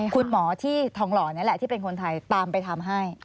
คุณหมอที่ทองหล่อนี่แหละที่เป็นคนไทยตามไปทำให้